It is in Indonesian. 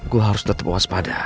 gue harus tetep waspada